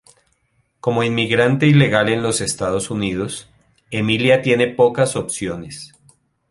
Como inmigrante ilegal en los Estados Unidos, Emilia tiene pocas opciones.